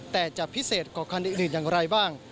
แต่จะพิเศษกว่าคันอื่นอย่างไรบ้าง